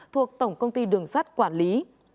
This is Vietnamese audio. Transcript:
thuộc tổng công ty đường sắt quản lý